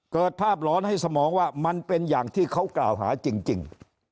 เกิดภาพหลอนให้สมองว่ามันเป็นอย่างที่เขากล่าวหาจริง